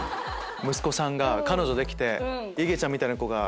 息子さんが彼女できていげちゃんみたいな子が。